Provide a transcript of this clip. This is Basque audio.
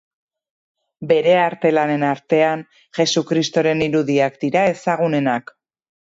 Bere arte lanen artean Jesu Kristoren irudiak dira ezagunenak.